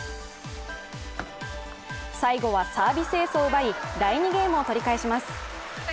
最後はサービスエースを奪い第２ゲームを取り返します。